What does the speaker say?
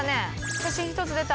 写真１つ出た。